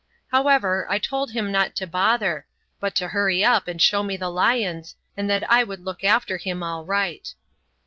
However, I told him not to bother, but to hurry up and show me the lions, and that I would look after him all right.